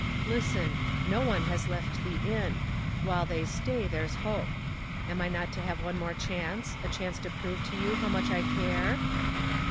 Listen no one has left the inn. While they stay, there's hope. Am I not to have one more chance a chance to prove to you how much I care?"